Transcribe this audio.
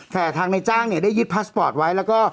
แต่ทางในจ้างเนี่ยได้ยึดพาสปอร์ตไว้แล้วก็